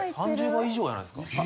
３０倍以上やないですか。